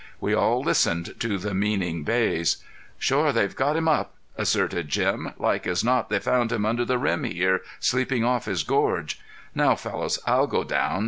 We all listened to the meaning bays. "Shore they've got him up!" asserted Jim. "Like as not they found him under the rim here, sleeping off his gorge. Now fellows, I'll go down.